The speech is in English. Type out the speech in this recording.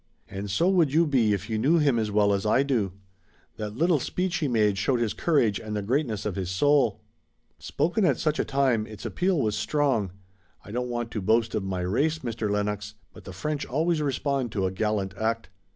"And so would you be if you knew him as well as I do. That little speech he made showed his courage and the greatness of his soul." "Spoken at such a time, its appeal was strong. I don't want to boast of my race, Mr. Lennox, but the French always respond to a gallant act."